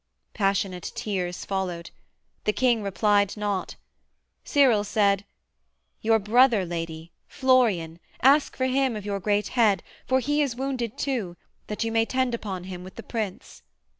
Passionate tears Followed: the king replied not: Cyril said: 'Your brother, Lady, Florian, ask for him Of your great head for he is wounded too That you may tend upon him with the prince.'